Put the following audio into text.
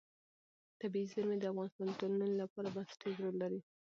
طبیعي زیرمې د افغانستان د ټولنې لپاره بنسټيز رول لري.